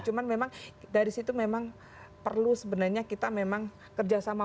cuma memang dari situ memang perlu sebenarnya kita memang kerjasama